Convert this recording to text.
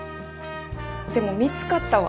でも見つかったわ。